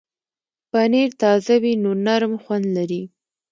پنېر تازه وي نو نرم خوند لري.